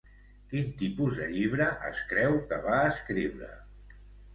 Quin tipus de llibre es creu que va escriure?